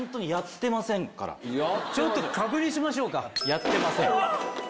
やってません。